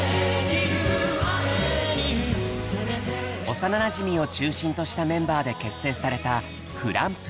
幼なじみを中心としたメンバーで結成されたｆｌｕｍｐｏｏｌ。